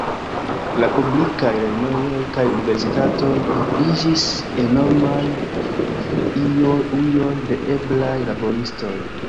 La publikaj lernejoj kaj universitatoj iĝis enormaj ujoj de eblaj laboristoj.